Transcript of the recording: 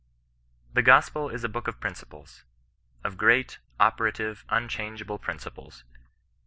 "The gospel is a book of principles — of great, opera tive, unchangeable principles.